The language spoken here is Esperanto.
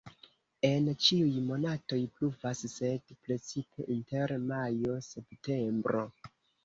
En ĉiuj monatoj pluvas, sed precipe inter majo-septembro.